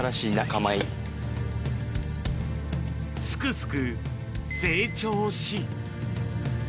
すくすく成長し。